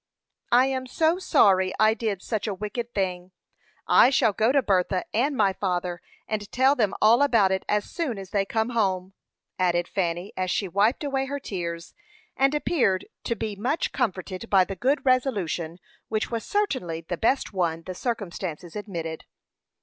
"I am so sorry I did such a wicked thing! I shall go to Bertha and my father, and tell them all about it, as soon as they come home," added Fanny, as she wiped away her tears, and appeared to be much comforted by the good resolution which was certainly the best one the circumstances admitted.